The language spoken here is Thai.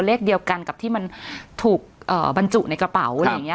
เลขเดียวกันกับที่มันถูกบรรจุในกระเป๋าอะไรอย่างนี้